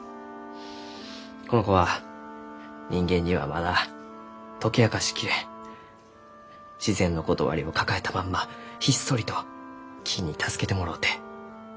この子は人間にはまだ解き明かし切れん自然のことわりを抱えたまんまひっそりと木に助けてもろうて生きちゅう植物じゃ。